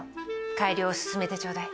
改良を進めてちょうだい。